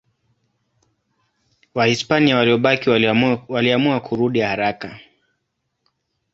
Wahispania waliobaki waliamua kurudi haraka.